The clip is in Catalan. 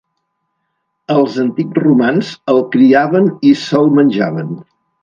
Els antics romans el criaven i se'l menjaven.